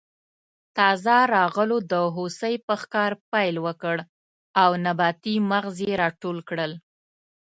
تازه راغلو د هوسۍ په ښکار پیل وکړ او نباتي مغز یې راټول کړل.